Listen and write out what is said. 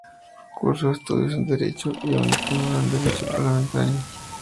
Cursó Estudios en derecho y un diplomado en Derecho Parlamentario, Ecología y Medio Ambiente.